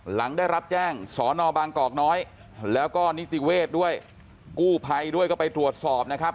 หลังได้รับแจ้งสอนอบางกอกน้อยแล้วก็นิติเวศด้วยกู้ภัยด้วยก็ไปตรวจสอบนะครับ